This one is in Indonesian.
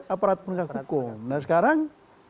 aparat penegak hukum nah sekarang